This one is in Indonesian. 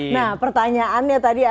nah pertanyaannya tadi